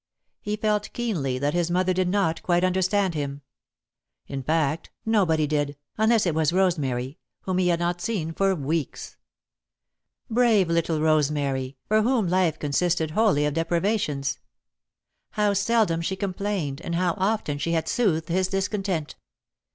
He felt, keenly, that his mother did not quite understand him. In fact, nobody did, unless it was Rosemary, whom he had not seen for weeks. Brave little Rosemary, for whom life consisted wholly of deprivations! How seldom she complained and how often she had soothed his discontent!